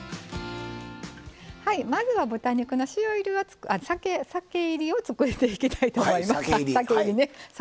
まずは豚肉の酒いりを作っていきたいと思います。